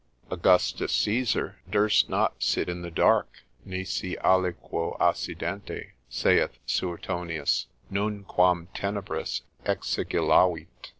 Augustus Caesar durst not sit in the dark, nisi aliquo assidente, saith Suetonius, Nunquam tenebris exigilavit.